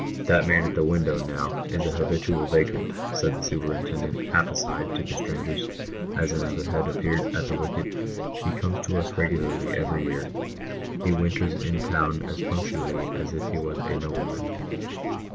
" That man at the window, now, is an habitual vagrant," said the superintendent, half aside, to the strangers, as another head appeared at the wicket " He comes to us regularly every year ; he winters in town as punctually as if he was a nobleman.